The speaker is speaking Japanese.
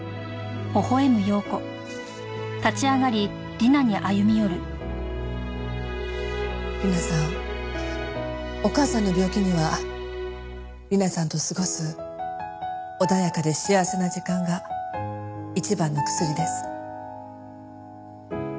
理奈さんお母さんの病気には理奈さんと過ごす穏やかで幸せな時間が一番の薬です。